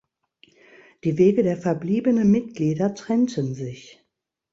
Die Wege der verbliebenen Mitglieder trennten sich.